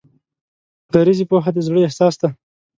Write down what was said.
غریزي پوهه د زړه احساس دی.